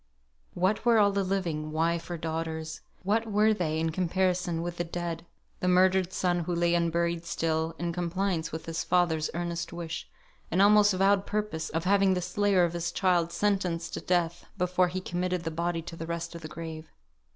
What were all the living, wife or daughters, what were they in comparison with the dead, the murdered son who lay unburied still, in compliance with his father's earnest wish, and almost vowed purpose of having the slayer of his child sentenced to death, before he committed the body to the rest of the grave?